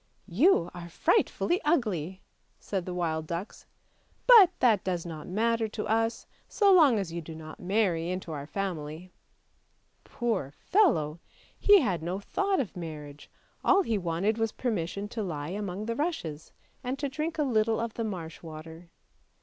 " You are frightfully ugly," said the wild ducks, " but that does not matter to us, so long as you do not marry into our family !" Poor fellow! he had no thought of marriage, all he wanted was permission to he among the rushes, and to drink a little of the marsh water.